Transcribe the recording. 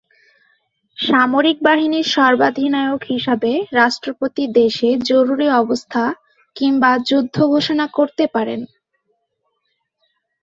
সামরিক বাহিনীর সর্বাধিনায়ক হিসাবে রাষ্ট্রপতি দেশে জরুরি অবস্থা কিংবা যুদ্ধ ঘোষণা করতে পারেন।